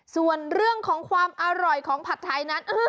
ส่วนเรื่องของความอร่อยของผัดไทยนั้น